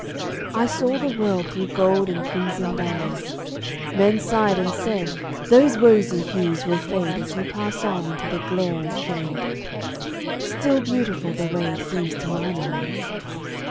I saw the world through gold and crimson dyes: Men sighed and said, "Those rosy hues will fade As you pass on into the glare and shade!" Still beautiful the way seems to mine eyes.